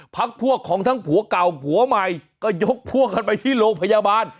พักพวกของทั้งผัวเก่าผัวใหม่ก็ยกพวกกันไปที่โรงพยาบาล